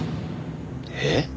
えっ？